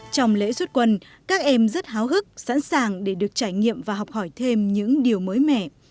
trong lễ xuất quân các em rất háo hức sẵn sàng để được trải nghiệm và học hỏi thêm những điều mới mẻ